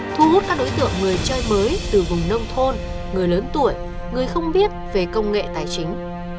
thu hút các đối tượng người chơi mới từ vùng nông thôn người lớn tuổi người không biết về công nghệ tài chính